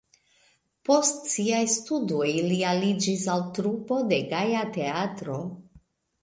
Post siaj studoj li aliĝis al trupo de Gaja Teatro.